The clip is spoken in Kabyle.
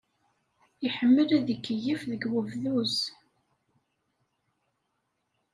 Iḥemmel ad ikeyyef deg webduz.